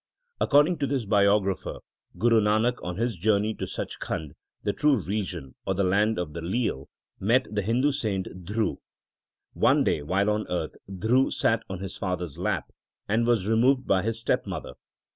According to this biographer, Guru Nanak, on his journey to Sach Khand, the true region, or the Land of the Leal, met the Hindu saint Dhru. One day while on earth Dhru sat on his father s lap, and was removed by his step mother.